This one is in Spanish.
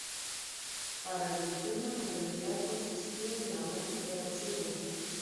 Para Glicina la felicidad consistía en el amor que trae consigo un hijo.